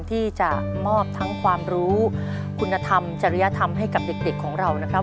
ที่จะมอบทั้งความรู้คุณธรรมจริยธรรมให้กับเด็กของเรานะครับ